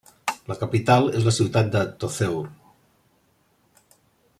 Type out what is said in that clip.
La capital és la ciutat de Tozeur.